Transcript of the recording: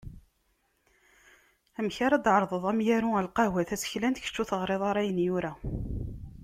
Amek ara d-tɛerḍeḍ amyaru ɣer lqahwa taseklant, kečč ur teɣriḍ ara ayen yura?